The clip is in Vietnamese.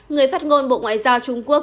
người phát ngôn bộ ngoại giao trung quốc